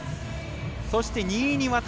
そして２位に渡邊。